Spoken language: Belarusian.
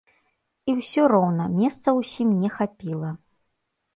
І ўсё роўна, месцаў усім не хапіла.